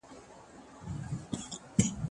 کېدای سي سينه سپين ستونزي ولري؟